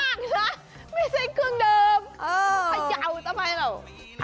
นาคนะไม่ใช่เครื่องเดิมเขย่าต่อไปเหรอ